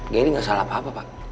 gary gak salah apa apa pak